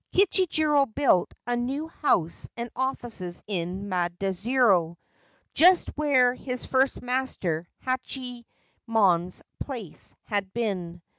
Kichijiro built a new house and offices in Maidzuru, just where his first master Hachiyemon's place had been.